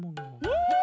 うん！